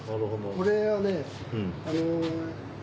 これはね。